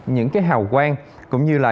những cái hào quang cũng như là